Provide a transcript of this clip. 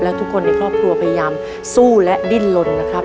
ทุกคนในครอบครัวพยายามสู้และดิ้นลนนะครับ